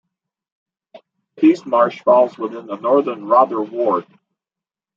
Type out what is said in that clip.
Peasmarsh falls within the Northern Rother ward.